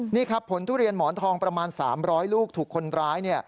นี่ครับผลทุเรียนหมอนทองประมาณ๓๐๐ลูกถูกคนร้าย